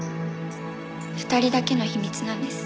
２人だけの秘密なんです。